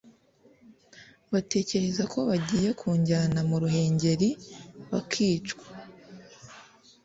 batekereza ko bagiye kujyana mu Ruhengeri bakicwa